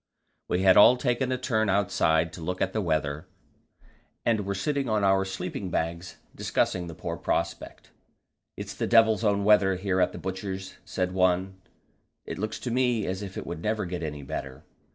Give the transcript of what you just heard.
We had all taken a turn outside to look at the weather, and were sitting on our sleeping bags discussing the poor prospect. "It's the devil's own weather here at the Butcher's," said one; "it looks to me as if it would never get any better.